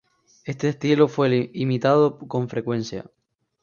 Este estilo fue imitado con frecuencia.